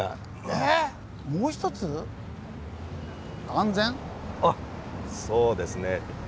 ええっもう一つ⁉あっそうですね。